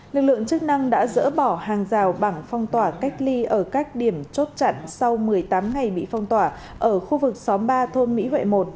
lực lượng chức năng đã dỡ bỏ hàng rào bằng phong tỏa cách ly ở các điểm chốt chặn sau một mươi tám ngày bị phong tỏa ở khu vực xóm ba thôn mỹ huệ một